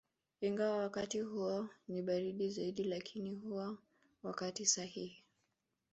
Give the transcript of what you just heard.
Ingawa wakati huo ni baridi zaidi lakini huwa wakati sahihi